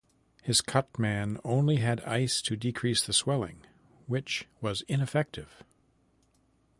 His cutman only had ice to decrease the swelling, which was ineffective.